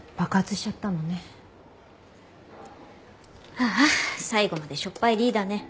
あーあ最後までしょっぱいリーダーね。